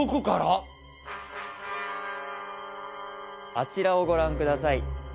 あちらをご覧ください。